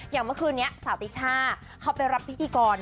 อย่างเมื่อคืนนี้สาวติช่าเขาไปรับพิธีกร